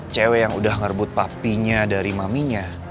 cewek yang udah ngerebut papinya dari maminya